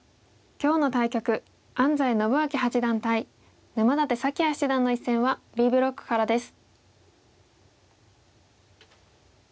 今日の対局安斎伸彰八段対沼舘沙輝哉七段の一戦はＢブロックからです。